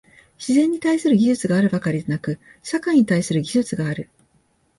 自然に対する技術があるばかりでなく、社会に対する技術がある。